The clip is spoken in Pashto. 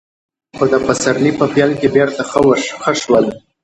خو د پسرلي په پيل کې بېرته ښه شول.